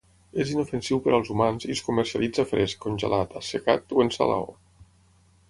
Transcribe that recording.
És inofensiu per als humans i es comercialitza fresc, congelat, assecat o en salaó.